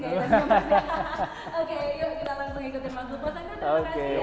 oke yuk kita langsung ikutin mas duka